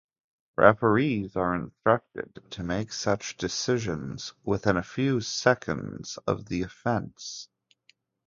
Referees are instructed to make such decisions "within a few seconds" of the offence.